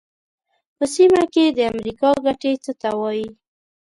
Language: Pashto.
په سیمه کې د امریکا ګټې څه ته وایي.